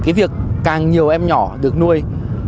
cái việc càng nhiều em nhỏ được nuôi